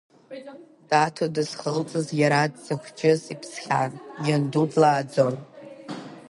Даҭо дызхылҵыз иара дзыхәҷыз иԥсхьан, ианду длааӡон…